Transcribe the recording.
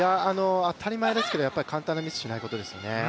当たり前ですけど、簡単なミスをしないことですね。